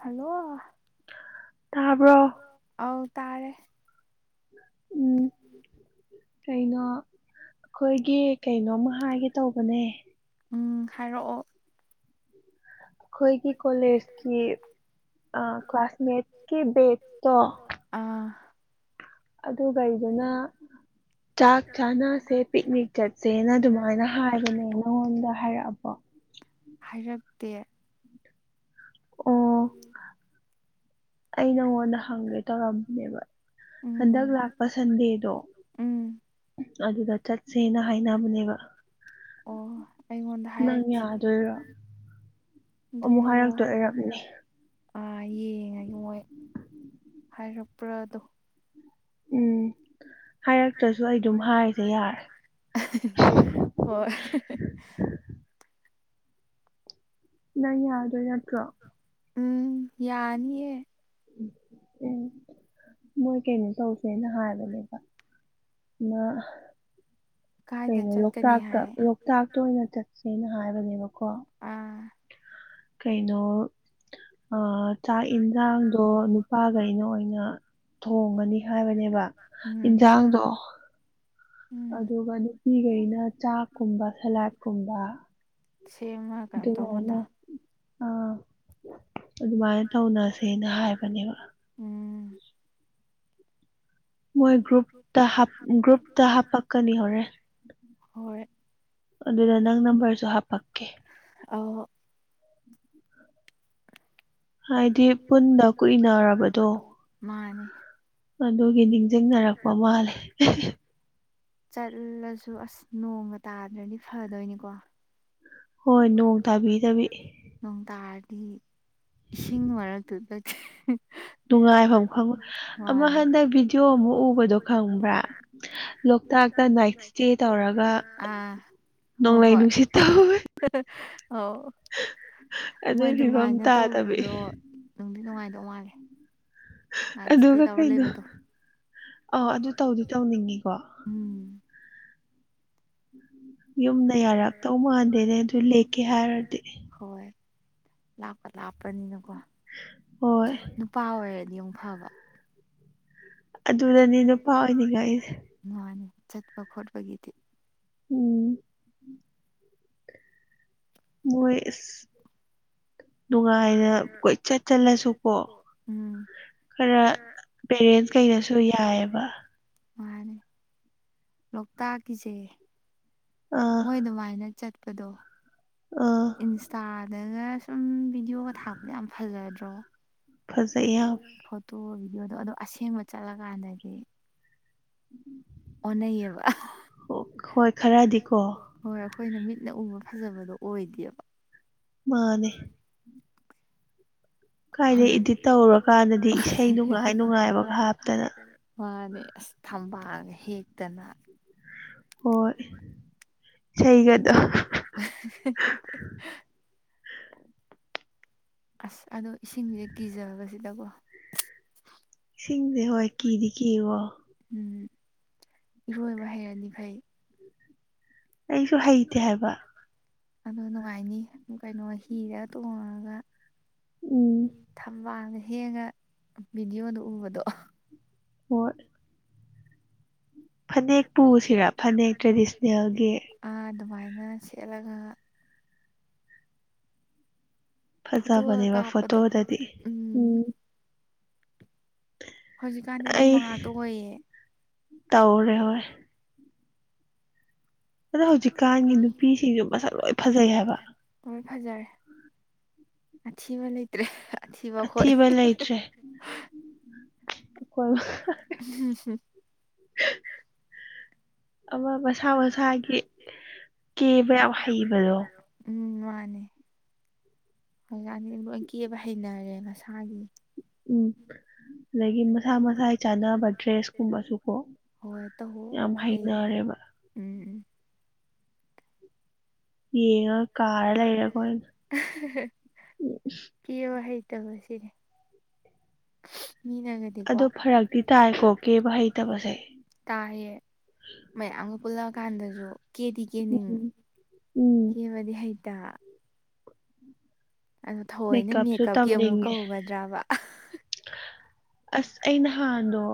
Hello ꯇꯥꯕ꯭ꯔꯣ ꯑꯥꯎ ꯇꯥꯔꯦ꯫ ꯎꯝ꯫ ꯀꯩꯅꯣ ꯑꯩꯈꯣꯏꯒꯤ ꯀꯩꯅꯣꯝ ꯍꯥꯏꯒꯦ ꯇꯧꯕꯅꯦ ꯎꯝ ꯍꯥꯏꯔꯛꯑꯣ꯫ ꯑꯩꯈꯣꯏꯒꯤ ꯀꯣꯂꯦꯖꯀꯤ ꯑ ꯀ꯭ꯂꯥꯁꯃꯦꯠꯀꯤ ꯕꯦꯠꯁꯇꯣ ꯑꯗꯨꯒꯩꯗꯨꯅꯥ ꯆꯥꯛ ꯆꯥꯅꯁꯦ ꯄꯤꯛꯅꯤꯛ ꯆꯠꯁꯦꯅ ꯑꯗꯨꯃꯥꯏꯅ ꯍꯥꯏꯕꯅꯦ ꯅꯉꯣꯟꯗ ꯍꯥꯏꯔꯛꯑꯕꯣ? ꯍꯥꯏꯔꯛꯇꯦ꯫ ꯎꯝ꯫ ꯑꯩ ꯅꯉꯣꯟꯗ ꯍꯪꯒꯦ ꯇꯧꯔꯝꯕꯅꯦꯕ ꯍꯟꯗꯛ ꯂꯥꯛꯄ ꯁꯟꯗꯦꯗꯣ ꯑꯗꯨꯗ ꯆꯠꯁꯦꯅ ꯍꯥꯏꯅꯕꯅꯦꯕ ꯅꯪ ꯌꯥꯗꯣꯏꯔꯣ ꯑꯃꯨꯛ ꯍꯥꯏꯔꯛꯇꯣꯏ ꯑꯣꯏꯔꯝꯃꯅꯤ꯫ ꯑꯥ ꯌꯦꯡꯉꯒꯦ ꯃꯣꯏ ꯍꯥꯏꯔꯛꯄ꯭ꯔꯥꯗꯣ꯫ ꯎꯝ ꯍꯥꯏꯔꯛꯇ꯭ꯔꯁꯨ ꯑꯩ ꯗꯨꯝ ꯍꯥꯏꯔꯤꯁꯦ ꯌꯥꯔꯦ꯫ ꯑꯍ ꯍ ꯍꯣꯏ ꯍ ꯅꯪ ꯌꯥꯗꯣꯏ ꯅꯠꯇ꯭ꯔꯣ? ꯎꯝ ꯌꯥꯅꯤꯌꯦ꯫ ꯎꯝ ꯎꯝ꯫ ꯃꯣꯏ ꯀꯩꯅꯣ ꯇꯧꯁꯦꯅ ꯍꯥꯏꯕꯅꯦꯕ ꯑꯃꯥ ꯀꯩꯅꯣ ꯂꯣꯛꯇꯥꯛꯇ ꯂꯣꯛꯇꯥꯛꯇ ꯑꯣꯏꯅ ꯆꯠꯁꯦꯅ ꯍꯥꯏꯕꯅꯦꯕꯀꯣ꯫ ꯑꯥ ꯀꯩꯅꯣ ꯑ ꯆꯥꯛ ꯌꯦꯟꯁꯥꯡꯗꯣ ꯅꯨꯞ ꯅꯨꯄꯥꯥꯒꯩꯅ ꯑꯣꯏꯅ ꯊꯣꯡꯒꯅꯤ ꯍꯥꯏꯕꯅꯦꯕ ꯌꯦꯟꯁꯥꯡꯗꯣ ꯑꯗꯨꯒ ꯅꯨꯄꯤꯒꯩꯅ ꯆꯥꯛꯀꯨꯝꯕ ꯁꯂꯥꯠꯀꯨꯝꯕ ꯁꯦꯝꯃ ꯀꯩꯅꯣ ꯇꯧꯕꯗꯣ ꯑꯥ ꯑꯗꯨꯃꯥꯏꯅ ꯇꯧꯅꯁꯦꯅ ꯍꯥꯏꯕꯅꯦꯕ ꯃꯣꯏ ꯒ꯭ꯔꯨꯞꯇ ꯍꯥꯞ ꯒ꯭ꯔꯨꯞꯇ ꯍꯥꯞꯄꯛꯀꯅꯤ ꯍꯣꯔꯦꯟ ꯑꯗꯨꯗ ꯅꯪ ꯅꯝꯕꯔꯁꯨ ꯍꯥꯄꯛꯀꯦ ꯑꯧ ꯍꯥꯏꯗꯤ ꯄꯨꯟꯗ ꯀꯨꯏꯅꯔꯕꯗꯣ ꯃꯥꯅꯦ ꯑꯗꯨꯒꯤ ꯅꯤꯡꯖꯤꯡꯅꯔꯛꯄ ꯃꯥꯜꯂꯦ [unintelligible] ꯆꯠꯂꯁꯨ ꯑꯁ ꯅꯣꯡꯒ ꯇꯥꯗ꯭ꯔꯗꯤ ꯐꯗꯣꯏꯅꯤꯀꯣ ꯍꯣꯏ ꯅꯣꯡ ꯇꯥꯕꯤꯗꯕꯤ ꯅꯣꯡ ꯇꯥꯔ ꯗꯤ ꯏꯁꯤꯡ ꯃꯔꯛꯇꯨꯗ [unintelligible] ꯅꯨꯡꯉꯥꯏꯐꯝ ꯈꯪꯉꯣꯢ ꯑꯃ ꯍꯟꯗꯛ ꯚꯤꯗꯤꯑꯣ ꯑꯃ ꯎꯕꯗꯣ ꯈꯪꯕ꯭ꯔꯥ ꯂꯣꯛꯇꯥꯛꯇ ꯅꯥꯢꯠ ꯁ꯭ꯇꯦ ꯇꯧꯔꯒ ꯑꯥ ꯅꯣꯡꯂꯩ ꯅꯨꯡꯁꯤꯠ ꯇꯧꯋꯦ ꯑꯧ ꯃꯣꯏ ꯑꯗꯨꯃꯥꯏꯅ ꯇꯧꯔꯨꯕꯗꯣ ꯅꯨꯡꯗꯤ ꯅꯨꯡꯉꯥꯏ ꯗꯧ ꯃꯥꯜꯂꯦ ꯅꯥꯢꯠ ꯁ꯭ꯇꯦ ꯇꯧꯔ ꯂꯩꯕꯗꯣ ꯑꯧ ꯑꯗꯨ ꯇꯧꯗꯤ ꯇꯧꯅꯤꯡꯉꯤꯀꯣ ꯌꯨꯝꯗ ꯌꯥꯔꯛꯇꯧ ꯃꯥꯟꯗꯦꯅꯦ ꯑꯗꯨ ꯂꯦꯛꯀꯦ ꯍꯥꯢꯔꯗꯤ ꯍꯣꯏ ꯂꯥꯞꯀ ꯂꯥꯞꯄꯅꯤꯅꯀꯣ ꯍꯣꯏ ꯅꯨꯄꯥ ꯑꯣꯏꯔ ꯗꯤ ꯑꯃꯨꯛ ꯐꯕ ꯑꯗꯨꯗꯅꯤ ꯅꯨꯄꯥ ꯑꯣꯢꯅꯤꯡꯉꯛꯏꯁꯦ ꯃꯥꯅꯤ ꯆꯠꯄ ꯈꯣꯠꯄꯒꯤꯗꯤ ꯎꯝ ꯃꯣꯢ ꯏꯁ ꯅꯨꯡꯉꯥꯢꯔ ꯀꯣꯏ ꯆꯠ ꯆꯠꯂꯁꯨꯀꯣ ꯎꯝ ꯈꯔ ꯄꯦꯔꯦꯟꯁ ꯀꯩꯅꯁꯨ ꯌꯥꯏꯌꯦꯕ ꯃꯥꯅꯤ ꯂꯣꯛꯇꯥꯛꯀꯤꯖꯦ ꯃꯣꯏ ꯑꯗꯨꯃꯥꯏꯅ ꯆꯠꯄꯗꯣ ꯏꯟꯁꯇꯥ ꯗꯅ ꯁꯨꯝ ꯚꯤꯗꯤꯑꯣꯒ ꯊꯥꯔꯛꯄꯗ ꯌꯥꯝ ꯐꯖꯗ꯭ꯔꯣ ꯐꯣꯇꯣ ꯚꯤꯗꯤꯑꯣꯗꯣ ꯑꯗꯣ ꯑꯁꯦꯡꯕ ꯆꯠꯂꯀꯥꯟꯗꯗꯤ ꯑꯣꯟꯅꯩꯌꯦꯕ ꯍꯣꯏ ꯈꯔꯗꯤ ꯀꯣ ꯍꯣꯏ ꯑꯈꯣꯏꯅ ꯃꯤꯠ ꯅ ꯎꯕ ꯐꯖꯕꯗꯣ ꯑꯣꯏꯗꯦꯕ ꯃꯥꯅꯦ ꯀꯥꯢꯗꯩ ꯏꯗꯤꯠ ꯇꯧꯔꯀꯥꯟꯗ ꯏꯁꯩ ꯅꯨꯡꯉꯥꯢ ꯅꯨꯡꯉꯥꯏꯕ ꯍꯥꯞꯆꯜ ꯃꯥꯅꯦ ꯑꯁ ꯊꯝꯕꯥꯜꯒ ꯍꯦꯛꯇꯅ ꯍꯣꯏ [unintelligible] [unintelligible] ꯑꯁ ꯑꯗꯣ ꯏꯁꯤꯡꯖꯦ ꯀꯤꯖꯕꯁꯤꯗꯀꯣ ꯏꯁꯤꯡꯖꯦ ꯍꯣꯏ ꯀꯤꯗꯤ ꯀꯤꯕꯣ ꯏꯔꯣꯏꯕ ꯍꯩꯔꯗꯤ ꯐꯩ ꯑꯩꯁꯨ ꯍꯩꯇꯦ ꯍꯥꯏꯕ ꯑꯗꯣ ꯅꯨꯡꯉꯥꯏꯅꯤ ꯀꯩꯅꯣ ꯍꯤꯗꯒ ꯇꯣꯡꯉꯒ ꯎꯝ ꯊꯝꯕꯥꯜꯒ ꯍꯦꯡꯑꯒ ꯚꯤꯗꯤꯑꯣꯗ ꯎꯕꯗꯣ ꯍꯣꯏ ꯐꯅꯦꯛ ꯄꯨꯁꯤꯔꯥ ꯐꯅꯦꯛ ꯇ꯭ꯔꯦꯗꯤꯁꯅꯦꯜꯒꯤ ꯗꯨꯃꯥꯏꯅ ꯁꯦꯠꯂꯒ ꯐꯖꯕꯅꯦꯕ ꯐꯣꯇꯣꯗꯗꯤ ꯎꯝ [inaudible] ꯍꯧꯖꯤꯛꯀꯥꯟꯗꯤ ꯑꯗꯨꯝꯕ ꯉꯥꯛꯇꯣ ꯑꯣꯏꯌꯦ ꯇꯧꯔꯦ ꯍꯧꯖꯤꯛ ꯑꯗꯣ ꯍꯧꯖꯤꯛꯀꯥꯟꯒꯤ ꯅꯨꯄꯤꯁꯤꯡꯖꯨ ꯃꯁꯛ ꯂꯣꯏ ꯐꯖꯩ ꯍꯥꯏꯕ ꯐꯖꯔꯦ ꯑꯊꯤꯕ ꯂꯩꯇ꯭ꯔꯦ ꯑꯊꯤꯕ ꯑꯈꯣꯏ [unintelligible] ꯍꯨꯝ ꯍꯨꯝ ꯑꯃ ꯃꯁꯥ ꯃꯁꯥꯒꯤ ꯀꯦꯕ ꯌꯥꯝ ꯍꯩꯕꯗꯣ ꯃꯥꯅꯦ ꯑꯣꯖꯥꯅꯤ ꯂꯣꯏ ꯀꯦꯕ ꯍꯩꯅꯔꯦ ꯃꯁꯥꯒꯤ ꯎꯝ ꯑꯗꯒꯤ ꯃꯁꯥ ꯃꯁꯥꯏ ꯆꯥꯅꯕ ꯗ꯭ꯔꯦꯁ ꯀꯨꯝꯕꯁꯨ ꯀꯣ ꯌꯥꯝ ꯍꯩꯅꯔꯦꯕ ꯌꯦꯡꯉ ꯀꯥꯔ ꯂꯩ ꯑꯈꯣꯢ ꯑꯍꯥ ꯍꯥꯍꯥ ꯀꯦꯕ ꯍꯩ ꯇꯕ ꯁꯤꯅꯦ ꯃꯤꯅꯒꯗꯤꯀꯣ ꯑꯗꯨ ꯐꯔꯛꯇꯤ ꯇꯥꯏꯀꯣ ꯀꯦꯕ ꯍꯩꯇꯕꯖꯦ ꯇꯥꯏꯌꯦ ꯃꯌꯥꯝꯒ ꯄꯨꯜꯂꯛ ꯀꯥꯟꯗꯖꯨ ꯀꯦꯗꯤ ꯀꯦꯅꯤꯡ ꯀꯦꯕꯗꯤ ꯍꯩꯇ ꯑꯗꯨ ꯊꯋꯣꯏꯅ ꯃꯦꯛꯀꯞꯀꯤ ꯑꯃꯨꯛ ꯀꯧꯒꯗ꯭ꯔꯥꯕ ꯑꯍꯥ ꯑꯁ ꯑꯩ ꯅꯍꯥꯟꯗꯣ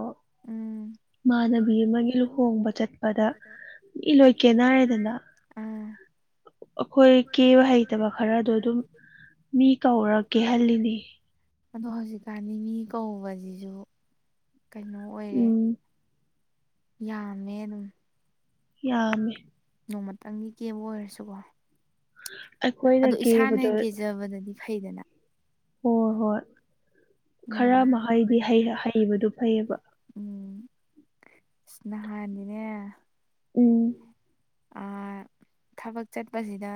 ꯏꯃꯥꯟꯅꯕꯤ ꯑꯃꯒꯤ ꯂꯨꯍꯣꯡꯕ ꯆꯠꯄꯗ ꯃꯤ ꯂꯣꯏ ꯀꯦꯟꯅꯔꯦꯗꯅ ꯑꯈꯣꯏ ꯀꯦꯕ ꯍꯩꯇꯕ ꯈꯔꯗꯣ ꯑꯗꯨꯝ ꯃꯤ ꯀꯧꯔ ꯀꯦꯍꯜꯂꯤꯅꯤ ꯑꯗꯣ ꯍꯧꯖꯤꯛꯀꯥꯟꯗꯤ ꯃꯤ ꯀꯧꯕꯖꯤꯖꯨ ꯀꯩꯅꯣ ꯑꯣꯏꯔꯦ ꯌꯥꯝꯃꯦ ꯑꯗꯨꯝ ꯌꯥꯝꯃꯦ ꯅꯣꯡꯃꯇꯪꯒꯤ ꯀꯦꯕ ꯑꯣꯏꯔꯁꯨꯀꯣ ꯑꯗꯣ ꯏꯁꯥꯅ ꯀꯦꯖꯕꯗꯗꯤ ꯐꯩꯗꯅ ꯍꯣ ꯍꯣꯏ ꯈꯔ ꯃꯍꯩꯗꯤ ꯍꯩ ꯍꯩꯕꯗꯨ ꯐꯩꯌꯦꯕ ꯎꯝ ꯢꯁ ꯅꯍꯥꯟꯗꯤꯅꯦ ꯎꯝ ꯑꯥ ꯊꯕꯛ ꯆꯠꯄꯖꯤꯗꯥ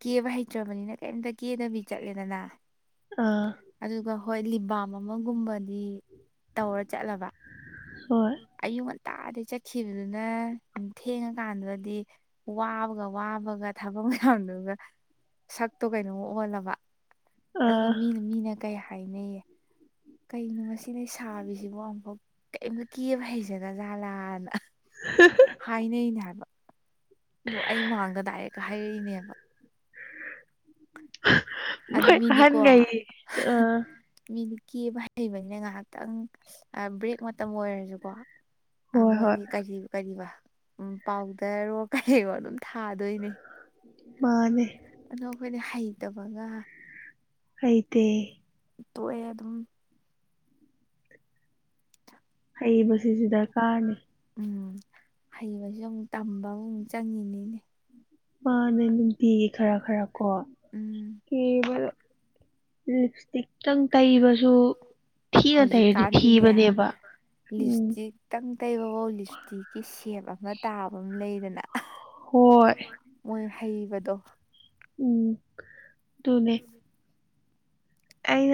ꯀꯦꯕ ꯍꯩꯇ꯭ꯔꯕꯅꯤꯅ ꯀꯩꯝꯇ ꯀꯦꯗꯕꯤ ꯆꯠꯂꯦꯗꯅ ꯑꯥ ꯑꯗꯣ ꯍꯣꯏ ꯂꯤꯞꯕꯥꯝ ꯑꯃꯒꯨꯝꯕꯗꯤ ꯇꯧꯔ ꯆꯠꯂꯕ ꯑꯌꯨꯛ ꯉꯟ ꯇꯥꯗꯩ ꯆꯠꯈꯤꯕꯗꯨꯅ ꯊꯦꯡꯉꯀꯥꯟꯗꯗꯤ ꯋꯥꯕꯒ ꯋꯥꯕꯒ ꯊꯕꯛ ꯃꯌꯥꯝꯗꯨꯒ ꯁꯛꯇꯣ ꯀꯩꯅꯣꯝ ꯑꯣꯜꯂꯕ ꯑꯗꯨꯒ ꯃꯤꯅ ꯃꯤꯅ ꯀꯩ ꯍꯥꯏꯅꯩꯌꯦ ꯀꯩꯅꯣ ꯃꯁꯤ ꯂꯩꯁꯥꯕꯤꯁꯤꯕꯣ ꯑꯝꯐꯥꯎ ꯀꯩꯝꯇ ꯀꯦꯕ ꯍꯩꯖꯗ ꯖꯥꯠꯂꯥꯅ ꯍꯥꯏꯅꯩꯅꯦ ꯍꯥꯏꯕ ꯗꯣ ꯑꯩ ꯃꯥꯡꯗ ꯗꯥꯏꯔꯦꯛꯒ ꯍꯥꯏꯔꯛꯏꯅꯦꯕ ꯑꯗꯣ ꯃꯤꯗꯤꯀꯣ ꯍꯥ ꯃꯤꯗꯤ ꯀꯦꯕ ꯍꯩꯕꯅꯤꯅ ꯉꯍꯥꯛꯇꯪ ꯑꯥ ꯕ꯭ꯔꯦꯛ ꯃꯇꯝ ꯑꯣꯏꯔꯖꯨꯀꯣ ꯑꯥ ꯃꯣꯏꯒꯤ ꯀꯔꯤ ꯀꯔꯤꯕ ꯎꯝ ꯄꯥꯎꯗꯔꯋꯣ ꯀꯔꯤꯋꯣ ꯑꯗꯨꯝ ꯊꯥꯗꯣꯏꯅꯦ ꯑꯗꯣ ꯑꯈꯣꯏꯗꯤ ꯍꯩꯇꯕꯒ ꯍꯩꯇꯦ ꯇꯣꯛꯑꯦ ꯑꯗꯨꯝ ꯍꯩꯕꯖꯤꯖꯨ ꯗꯔꯀꯥꯔꯅꯦ ꯍꯩꯕꯖꯤꯖꯨ ꯑꯃꯨꯛ ꯇꯝꯕ ꯑꯃꯃꯨꯛ ꯆꯪꯉꯤꯅꯤꯅꯦ ꯃꯥꯅꯦ ꯅꯨꯡꯇꯤꯒꯤ ꯈꯔ ꯈꯔ ꯀꯣ ꯊꯤꯕꯗꯣ ꯂꯤꯞꯁꯇꯤꯛꯇꯪ ꯇꯩꯕꯁꯨ ꯊꯤꯅ ꯇꯩꯔꯗꯤ ꯊꯤꯕꯅꯦꯕ ꯂꯤꯞꯁꯇꯤꯛ ꯇꯪ ꯇꯩꯕꯕꯧ ꯂꯤꯞꯁꯇꯤꯛꯒꯤ ꯁꯦꯞ ꯃ ꯇꯥꯕ ꯑꯃ ꯂꯩꯗꯅ ꯃꯣꯏ ꯍꯩꯕꯗꯣ ꯎꯝ ꯑꯗꯨꯅꯦ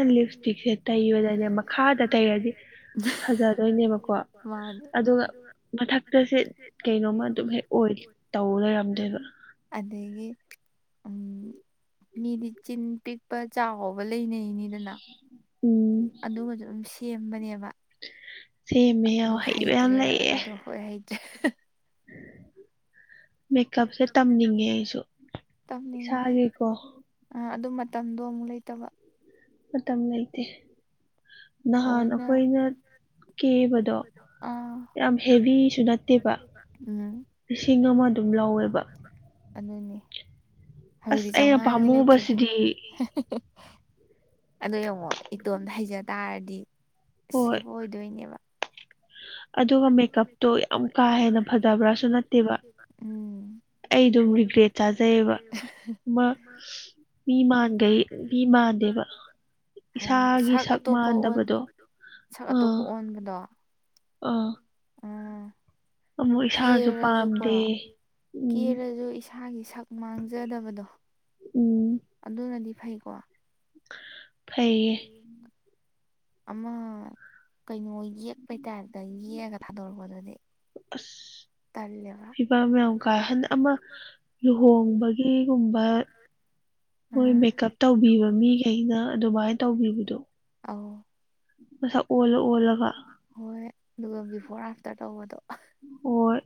ꯑꯩꯅ ꯂꯤꯞꯁꯇꯤꯛꯁꯦ ꯇꯦꯕꯗꯅꯦ ꯃꯈꯗ ꯇꯩꯔꯗꯤ ꯐꯖꯗꯣꯏꯅꯦꯕꯀꯣ ꯃꯟꯅꯦ ꯑꯗꯨꯒ ꯃꯊꯛꯇꯁꯦ ꯀꯩꯅꯣꯃ ꯑꯗꯨꯝ ꯍꯦꯛ ꯑꯣꯏ ꯇꯧ ꯂꯩꯔꯝꯗꯣꯏꯕ ꯑꯗꯒꯤ ꯑꯝ ꯃꯤꯗꯤ ꯆꯤꯟ ꯄꯤꯛꯄ ꯆꯥꯎꯕ ꯂꯩꯅꯩꯅꯤ ꯗꯅ ꯑꯗꯨꯒꯖꯨ ꯑꯗꯨꯝ ꯁꯦꯝꯕꯅꯦꯕ ꯁꯦꯝꯃꯦ ꯌꯥꯝ ꯍꯩꯕ ꯌꯥꯝ ꯂꯩꯌꯦ [unintelligible] ꯃꯦꯀꯞꯁꯦ ꯇꯝꯅꯤꯡꯉꯦ ꯇꯝꯅꯤꯡꯉꯦ ꯏꯁꯒꯤꯀꯣ ꯑꯥ ꯑꯗꯨ ꯃꯇꯝꯗꯣ ꯑꯃꯨꯛ ꯂꯩꯇꯕ ꯃꯇꯝ ꯂꯩꯇꯦ ꯅꯍꯥꯟ ꯑꯈꯣꯏꯅ ꯑꯥ ꯎꯝ ꯂꯤꯁꯤꯡ ꯑꯃ ꯑꯗꯨꯝ ꯂꯧꯋꯦꯕ ꯑꯗꯨꯅꯤ ꯑꯁ ꯑꯩꯅ ꯄꯥꯝꯃꯨꯕꯁꯤꯗꯤ ꯑꯗꯣ ꯌꯦꯡꯉꯣ ꯏꯇꯣꯝꯗ ꯍꯩꯖ ꯇꯥꯔꯗꯤ ꯁꯦꯞ ꯑꯣꯏꯗꯣꯏꯅꯦꯕ ꯑꯗꯨꯒ ꯃꯦꯀꯞꯇꯣ ꯌꯥꯝ ꯀꯥ ꯍꯦꯟꯅ ꯐꯖꯕ꯭ꯔꯁꯨ ꯅꯠꯇꯦꯕ ꯎꯝ ꯑꯩ ꯗꯨꯝ ꯔꯤꯒ꯭ꯔꯦꯠ ꯆꯥꯖꯩꯌꯦꯕ ꯃ ꯃꯤꯃꯟꯒꯩ ꯃꯤꯃꯟꯗꯦꯕ ꯏꯁꯥꯒꯤ ꯁꯛ ꯃꯟꯗꯕꯗꯣ ꯑꯥ ꯑꯥ ꯀꯦꯔꯖꯨꯀꯣ ꯀꯦꯔꯖꯨ ꯏꯁꯥꯒꯤ ꯁꯛ ꯃꯥꯡꯖꯗꯕꯗꯣ ꯑꯗꯨꯅꯗꯤ ꯐꯩꯀꯣ ꯐꯩꯌꯦ ꯑꯃ ꯀꯩꯅꯣ ꯌꯦꯛꯄꯩ ꯇꯥꯏꯞꯇ ꯌꯦꯛꯑꯒ ꯊꯗꯣꯔꯛꯄꯗꯨꯗꯤ ꯑꯁ ꯐꯤꯚꯝ ꯌꯥꯝ ꯀꯥꯏꯍꯟ ꯑꯃ ꯂꯨꯍꯣꯡꯕꯒꯤꯒꯨꯝꯕ ꯃꯣꯏ ꯃꯦꯀꯞ ꯇꯧꯕꯤꯕ ꯃꯤꯒꯩꯅ ꯑꯗꯨꯃꯥꯏꯟ ꯇꯧꯕꯤꯕꯗꯣ [unintelligible] ꯍꯣꯏ ꯑꯗꯨꯒ ꯕꯤꯐꯣꯔ ꯑꯥꯐꯇꯔ ꯇꯧꯕꯗꯣ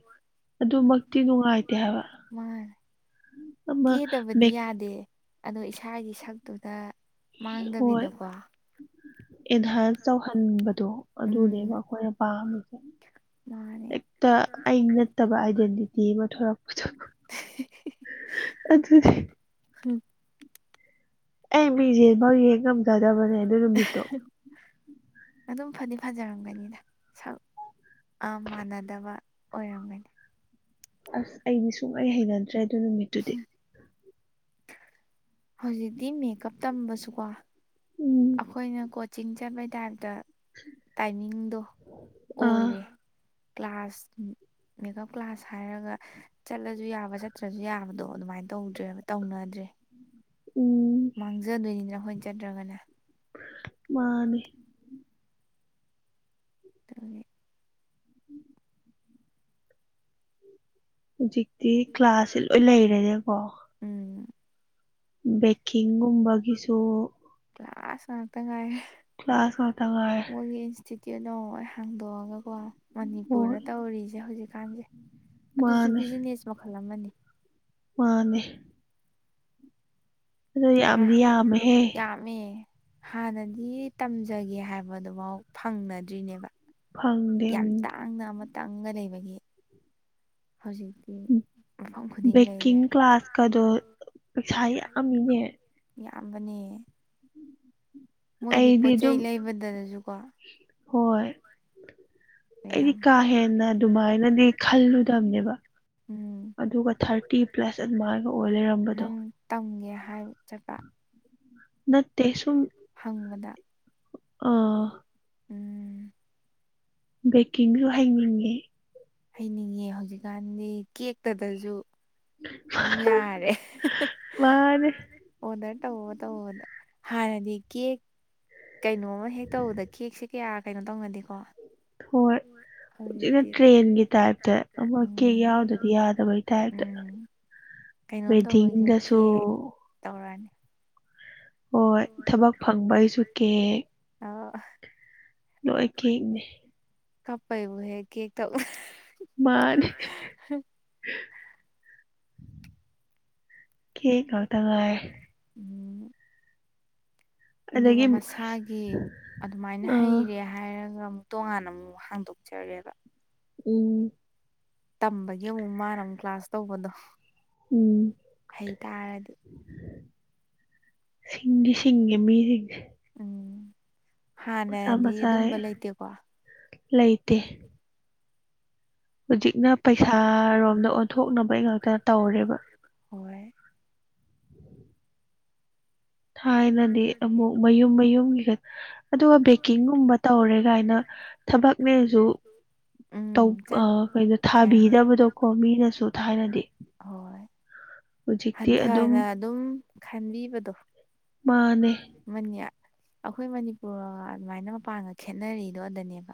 ꯍꯣꯏ ꯑꯗꯨꯃꯛꯇꯤ ꯅꯨꯡꯉꯥꯏꯇꯦ ꯍꯥꯏꯕ ꯃꯥꯅꯦ ꯀꯦꯗꯕꯗꯤ ꯌꯥꯗꯦ ꯑꯗꯣ ꯏꯁꯥꯒꯤ ꯁꯛꯇꯨꯗ ꯃꯥꯡꯗꯕꯤꯗꯀꯣ ꯑꯦꯟꯍꯥꯟꯁ ꯆꯧꯍꯟꯕꯗꯣ ꯑꯗꯨꯅꯦꯕ ꯑꯈꯣꯏꯅ ꯄꯥꯝꯃꯤꯖꯦ ꯍꯦꯛꯇ ꯑꯩ ꯅꯠꯇꯕ ꯑꯥꯏꯗꯦꯟꯇꯤꯇꯤ ꯑꯃ ꯊꯣꯛꯔꯛꯄꯗꯣ ꯑꯗꯨꯅꯦ ꯍꯨꯝ ꯑꯩ ꯃꯤꯖꯦꯟꯕꯛ ꯌꯦꯡ ꯉꯝꯖꯗꯕꯅꯦ ꯑꯗꯨ ꯅꯨꯃꯤꯠꯇꯣ ꯑꯗꯨꯝ ꯐꯗꯤ ꯐꯖꯔꯝꯒꯅꯤꯗ ꯁꯝ ꯑꯥ ꯃꯥꯟꯅꯗꯕ ꯑꯣꯏꯔꯝꯒꯅꯤ ꯑꯁ ꯑꯩꯗꯤ ꯁꯨꯡꯍꯩ ꯍꯩꯅꯗ꯭ꯔꯦ ꯑꯗꯨ ꯅꯨꯃꯤꯠꯇꯨꯗꯤ ꯍꯧꯖꯤꯛꯇꯤ ꯃꯦꯀꯞ ꯇꯝꯕꯁꯨꯀꯣ ꯑꯈꯣꯏꯅ ꯀꯣꯆꯤꯡ ꯆꯠꯄꯩ ꯇꯥꯏꯞꯇ ꯇꯥꯏꯃꯤꯡꯗꯣ ꯑꯣꯏꯔꯦ ꯀ꯭ꯂꯥꯁ ꯃꯦꯀꯞ ꯀ꯭ꯂꯥꯁ ꯍꯥꯏꯔꯒ ꯆꯠꯂꯖꯨ ꯌꯥꯕ ꯆꯠꯇ꯭ꯔꯖꯨ ꯌꯥꯕꯗꯣ ꯑꯗꯨꯃꯥꯏꯟ ꯇꯧꯗ꯭ꯔꯦꯕ ꯇꯧꯅꯗ꯭ꯔꯦ [inaudible] ꯃꯥꯡꯖꯗꯣꯏꯅꯤꯗꯅ ꯑꯈꯣꯏꯅ ꯆꯠꯇ꯭ꯔꯒꯅ ꯃꯥꯅꯦ ꯇꯨꯒꯤ ꯍꯨꯖꯤꯛꯇꯤ ꯀ꯭ꯂꯥꯁꯁꯦ ꯂꯣꯏ ꯂꯩꯔꯦꯅꯦꯀꯣ ꯕꯦꯀꯤꯡꯒꯨꯝꯕꯒꯤꯖꯨ ꯀ꯭ꯂꯥꯁ ꯉꯥꯛꯇ ꯉꯥꯏꯔꯦ ꯀ꯭ꯂꯥꯁ ꯉꯥꯛꯇ ꯉꯥꯏꯔꯦ ꯍꯧꯖꯤꯛꯇꯤ ꯑꯅꯧꯕ ꯑꯣꯏ ꯍꯥꯡꯗꯣꯛꯑꯒꯀꯣ ꯃꯅꯤꯄꯨꯔꯗ ꯇꯧꯔꯤꯖꯦ ꯍꯧꯖꯤꯛꯀꯥꯟꯖꯦ ꯑꯗꯨꯖꯨ ꯕꯤꯖꯤꯅꯦꯁ ꯃꯈꯜ ꯑꯃꯅꯤ ꯃꯥꯅꯦ ꯑꯗꯣ ꯌꯥꯝꯗꯤ ꯌꯥꯝꯃꯦꯍꯦ ꯍꯥꯟꯅꯗꯤ ꯇꯝꯖꯒꯦ ꯍꯥꯏꯕꯗꯕꯧ ꯐꯪꯅꯗ꯭ꯔꯤꯅꯦꯕ ꯌꯥꯝ ꯇꯥꯡꯅ ꯑꯃ ꯇꯪꯒ ꯂꯩꯕꯒꯤ ꯕꯦꯛꯀꯤꯡ ꯀ꯭ꯂꯥꯁꯀꯗꯣ ꯄꯩꯁꯥ ꯌꯥꯝꯃꯤꯅꯦ ꯌꯥꯝꯕꯅꯦ ꯃꯣꯏꯒꯤ ꯄꯣꯠ ꯆꯩ ꯂꯩꯕꯗꯗꯖꯨꯀꯣ ꯍꯣꯏ ꯑꯩꯗꯤ ꯀꯥ ꯍꯦꯟꯅ ꯑꯗꯨꯃꯥꯏꯅꯗꯤ ꯈꯜꯂꯨꯗꯕꯅꯦꯕ ꯑꯗꯨꯒ ꯊꯥꯔꯇꯤ ꯄ꯭ꯂꯁ ꯑꯗꯨꯃꯥꯏꯒ ꯑꯣꯏ ꯂꯩꯔꯝꯕꯗꯣ ꯇꯝꯒꯦ ꯍꯥꯏꯕ ꯆꯠꯄ ꯅꯠꯇꯦ ꯍꯪꯕꯗ ꯎꯝ ꯕꯦꯀꯤꯡꯖꯨ ꯍꯩꯅꯤꯡꯉꯦ ꯍꯩꯅꯤꯡꯉꯦ ꯍꯧꯖꯤꯛꯀꯥꯟꯗꯤ ꯀꯦꯛꯇꯗꯖꯨ ꯑꯗꯨꯝ ꯌꯥꯔꯦ ꯃꯥꯅꯤ ꯑꯣꯗꯔ ꯇꯧꯕ ꯇꯧꯕꯗ ꯍꯥꯟꯅꯗꯤ ꯀꯦꯛ ꯀꯩꯅꯣꯃ ꯍꯦꯛ ꯇꯧꯕꯗ ꯀꯦꯛꯁꯦ ꯀꯌꯥ ꯀꯩꯅꯣ ꯇꯧꯅꯗꯦꯀꯣ ꯍꯣꯏ ꯍꯧꯖꯤꯛꯅ ꯇ꯭ꯔꯦꯟꯒꯤ ꯇꯥꯏꯞꯇ ꯑꯃ ꯀꯦꯛ ꯌꯥꯎꯗ꯭ꯔꯗꯤ ꯌꯥꯗꯕꯩ ꯇꯥꯏꯞꯇ [inaudible] ꯀꯩꯅꯣꯝ ꯇꯧꯕꯩꯖꯨ ꯀꯦꯛ ꯇꯧꯔꯅꯤ ꯍꯣꯏ ꯊꯕꯛ ꯐꯪꯕꯩꯖꯨ ꯀꯦꯛ ꯑ꯭ꯍ ꯂꯣꯏ ꯀꯦꯛꯅꯦ ꯀꯞꯄꯩꯕꯧ ꯍꯦꯛ ꯀꯦꯛ ꯇꯧꯋꯦ ꯃꯥꯅꯦ ꯀꯦꯛ ꯉꯥꯛꯇ ꯉꯥꯏꯔꯦ ꯑꯗꯨꯒ ꯃꯁꯥꯒꯤ ꯑꯗꯨꯃꯥꯏꯅ ꯍꯩꯔꯦ ꯍꯥꯏꯔꯒ ꯇꯣꯉꯥꯟꯅ ꯑꯃꯨꯛ ꯍꯥꯡꯗꯣꯛꯆꯔꯦꯕ ꯎꯝ ꯇꯝꯕꯒꯤ ꯑꯃꯨꯛ ꯃꯥꯅ ꯑꯃꯨꯛ ꯀ꯭ꯂꯥꯁ ꯇꯧꯕꯗꯣ ꯍꯩꯇꯥꯔꯗꯤ ꯁꯤꯡꯗꯤ ꯁꯤꯡꯉꯦ ꯃꯤꯖꯤꯡ ꯍꯥꯟꯅꯗꯤ ꯑꯗꯨꯝꯕ ꯂꯩꯇꯦꯀꯣ ꯂꯩꯇꯦ ꯍꯧꯖꯤꯛꯅ ꯄꯩꯁꯥꯔꯣꯝꯗ ꯑꯣꯟꯊꯣꯛꯅꯕꯩ ꯉꯥꯛꯇꯅ ꯇꯧꯔꯦꯕ ꯊꯥꯏꯅꯗꯤ ꯑꯃꯨꯛ ꯃꯌꯨꯝ ꯃꯌꯨꯝꯒꯤꯒ ꯑꯗꯨꯒ ꯕꯦꯛꯀꯤꯡꯒꯨꯝꯕ ꯇꯧꯔꯦ ꯀꯥꯏꯅ ꯊꯕꯛꯅꯦꯁꯨ ꯇꯧ ꯑꯥ ꯀꯩꯅꯣ ꯊꯥꯕꯤꯗꯕꯗꯣꯀꯣ ꯃꯤꯅꯁꯨ ꯊꯥ ꯍꯥꯏꯔꯗꯤ ꯍꯣꯏ [inaudible] ꯍꯟꯊꯅ ꯑꯗꯨꯝ ꯈꯟꯕꯤꯕꯗꯣ ꯃꯥꯅꯦ ꯑꯈꯣꯏ ꯃꯅꯤꯄꯨꯔ ꯑꯗꯨꯃꯥꯏꯅ ꯃꯄꯥꯟꯒ ꯈꯦꯠꯅꯔꯤꯗꯣ ꯑꯗꯅꯦꯕ